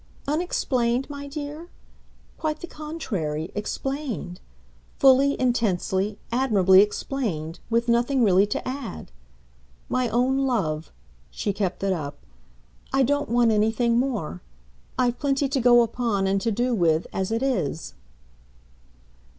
"'Unexplained,' my dear? Quite the contrary explained: fully, intensely, admirably explained, with nothing really to add. My own love" she kept it up "I don't want anything more. I've plenty to go upon and to do with, as it is."